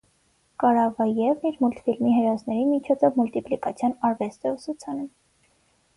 Կարավաևն իր մուլտֆիլմի հերոսների միջոցով մուլտիպլիկացիոն արվեստ է ուսուցանում։